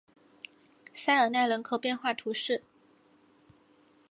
塞尔奈人口变化图示